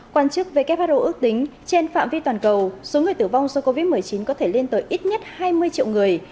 quan chức who ước tính trên phạm vi toàn cầu số người tử vong do covid một mươi chín có thể lên tới ít nhất hai mươi triệu người